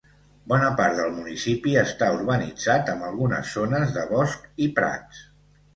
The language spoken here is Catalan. Bona part del municipi està urbanitzat amb algunes zones de bosc i prats.